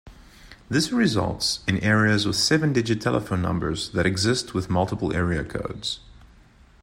This results in areas with seven-digit telephone numbers that exist with multiple area codes.